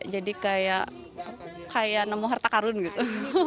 jadi kayak nemu harta karun gitu